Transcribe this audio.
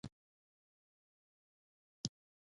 د شوتل سابه له سوکړک سره جلا خوند کوي.